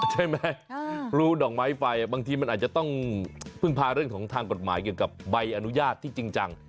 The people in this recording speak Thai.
ใช่ไหมรู้ดอกไม้ไฟบางทีมันอาจจะต้องพึ่งพาเรื่องของทางกฎหมายเกี่ยวกับใบอนุญาตที่จริงจัง